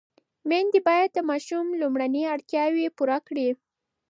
مېندې باید د ماشوم لومړني اړتیاوې پوره کړي.